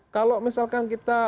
kalau misalkan kita